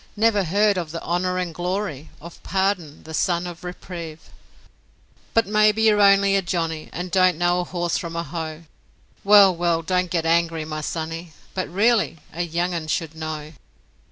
Never heard of the honour and glory Of Pardon, the son of Reprieve? But maybe you're only a Johnnie And don't know a horse from a hoe? Well, well, don't get angry, my sonny, But, really, a young un should know.